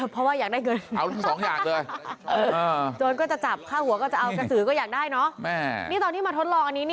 เพราะว่าอยากได้เงิน